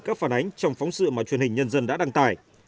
các phản ánh trong phóng sự mà truyền hình nhân dân đã đăng tải